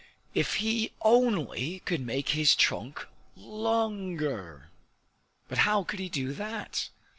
If he only could make his trunk longer! But how could he do that?